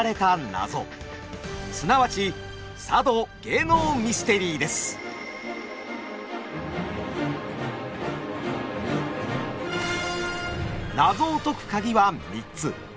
すなわち謎を解くカギは３つ。